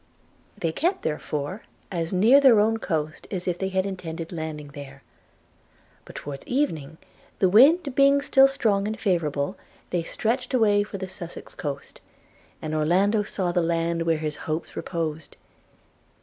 They kept, therefore, as near their own coast as if they had intended landing there; but towards evening, the wind being still strong and favourable, they stretched away for the Sussex coast, and Orlando saw the land where all his hopes reposed!